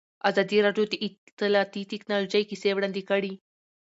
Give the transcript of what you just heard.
ازادي راډیو د اطلاعاتی تکنالوژي کیسې وړاندې کړي.